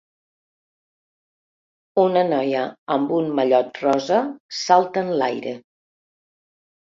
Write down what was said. Una noia amb un mallot rosa salta enlaire.